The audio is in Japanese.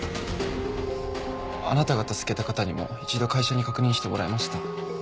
あなたが助けた方にも一度会社に確認してもらいました。